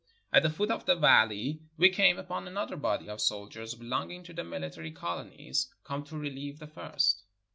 At the foot of the valley we came upon another body of soldiers belonging to the military colonies, come to relieve the first.